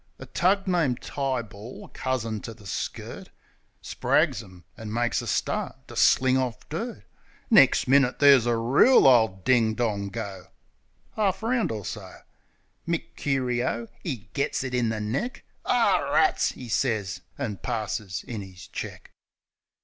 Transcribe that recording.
A tug named Tyball (cousin to the skirt) Sprags 'em an' makes a start to sling off dirt. Nex' minnit there's a reel ole ding dong go — 'Arf round or so. Mick Curio, 'e gets it in the neck, "Ar rats!" 'e sez, an' passes in 'is check.